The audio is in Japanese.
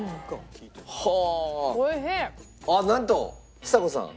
ああなんとちさ子さん。